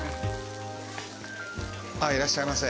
いらっしゃいませ。